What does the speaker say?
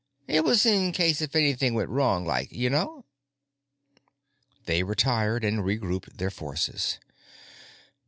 It was in case if anything went wrong, like. You know? They retired and regrouped their forces.